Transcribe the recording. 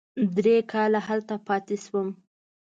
درې کاله هلته پاتې شوم.